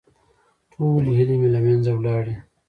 ټولې هيلې مې له منځه ولاړې.